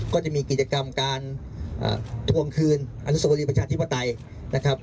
ก็จะมีกิจกรรมการทวงคืนอนุสวรีประชาธิปไตยนะครับ